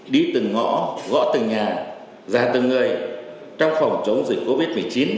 đi từng ngõ gõ từng nhà ra từng người trong phòng chống dịch covid một mươi chín